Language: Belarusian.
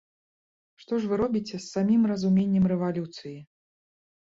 Што ж вы робіце з самім разуменнем рэвалюцыі?!